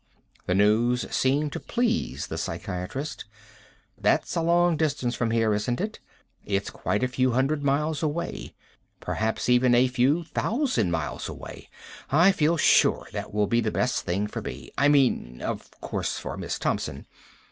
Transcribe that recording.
The news seemed to please the psychiatrist. "That's a long distance from here, isn't it? It's quite a few hundred miles away. Perhaps even a few thousand miles away. I feel sure that will be the best thing for me ... I mean, of course, for Miss Thompson.